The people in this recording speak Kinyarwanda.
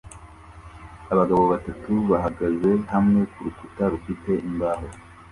Abagabo batatu bahagaze hamwe kurukuta rufite imbaho